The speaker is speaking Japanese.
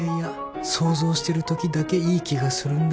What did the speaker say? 想像してるときだけいい気がするんだよ